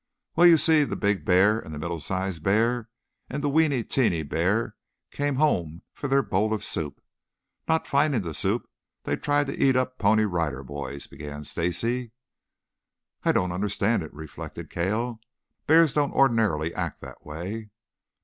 "Well, you see the big bear and the middle sized bear and the weeny teeny bear came home for their bowl of soup. Not finding the soup they tried to eat up Pony Rider Boys," began Stacy. "I don't understand it," reflected Cale. "Bears don't ordinarily act that way."